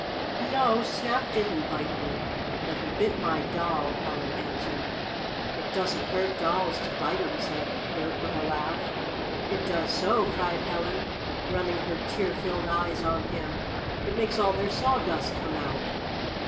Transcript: "No, Snap didn't bite me! But he bit my doll!" Helen answered. "It doesn't hurt dolls to bite 'em," said Bert, with a laugh. "It does so!" cried Helen, turning her tear filled eyes on him. "It makes all their sawdust come out!"